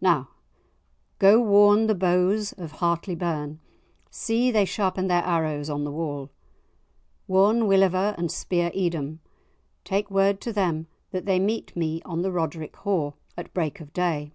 Now go, warn the bows of Hartlie Burn, see they sharpen their arrows on the wall! Warn Willeva and Speir Edom, take word to them that they meet me on the Rodric haugh at break of day.